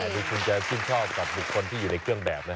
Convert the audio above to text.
หรือคุณจะชื่นชอบกับบุคคลที่อยู่ในเครื่องแบบนะ